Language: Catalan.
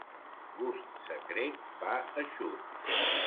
Gust secret, pa eixut.